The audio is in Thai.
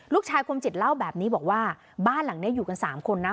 คมจิตเล่าแบบนี้บอกว่าบ้านหลังนี้อยู่กัน๓คนนะ